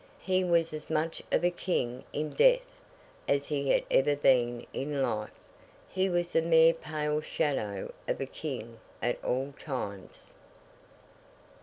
He was as much of a King in death, as he had ever been in life. He was the mere pale shadow of a King at all times.